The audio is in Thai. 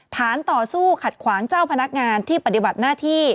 ต่อสู้ขัดขวางเจ้าพนักงานที่ปฏิบัติหน้าที่